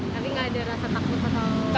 tapi tidak ada rasa takut atau